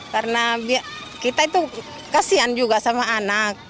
karena kita itu kasihan juga sama anak